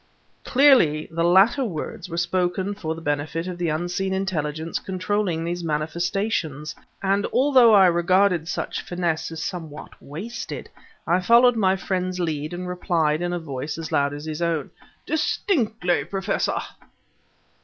Clearly the latter words were spoken for the benefit of the unseen intelligence controlling these manifestations; and although I regarded such finesse as somewhat wasted, I followed my friend's lead and replied in a voice as loud as his own: "Distinctly, Professor!"